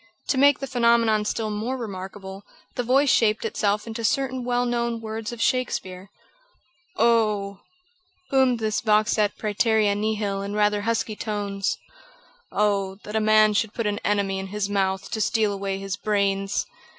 To make the phenomenon still more remarkable, the voice shaped itself into certain well known words of Shakespeare: "Oh!" boomed this vox et præterea nihil in rather husky tones, "Oh! that a man should put an enemy in his mouth to steal away his brains!"